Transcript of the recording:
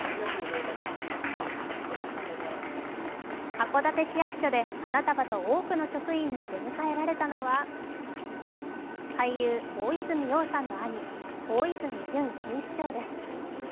函館市役所で花束と多くの職員に出迎えられたのは、俳優・大泉洋さんの兄・大泉潤新市長です。